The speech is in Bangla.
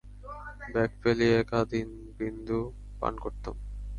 বাগে পেলেই এক আধ বিন্দু পান করতাম।